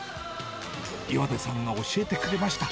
岩出さんが教えてくれました。